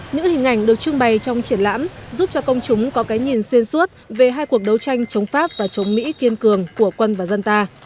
những hình ảnh được trưng bày trong triển lãm giúp cho công chúng có cái nhìn xuyên suốt về hai cuộc đấu tranh chống pháp và chống mỹ kiên cường của quân và dân ta